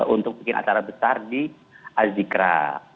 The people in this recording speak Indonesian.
untuk bikin acara besar di azikra